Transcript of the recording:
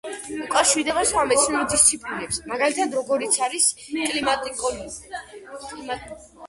უკავშირდება სხვა მეცნიერულ დისციპლინებს, მაგალითად, როგორიც არის კლიმატოლოგია.